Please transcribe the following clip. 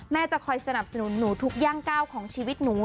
จะคอยสนับสนุนหนูทุกย่างก้าวของชีวิตหนู